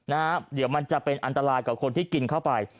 นะฮะเดี๋ยวมันจะเป็นอันตรายกับคนที่กินเข้าไป